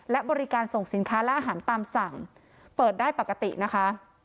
และบริการส่งสินค้าและอาหารตามสั่งเปิดได้ปกตินะคะ